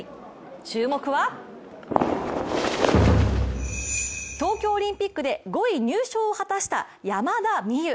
注目は東京オリンピックで５位入賞を果たした山田美諭。